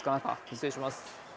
失礼します。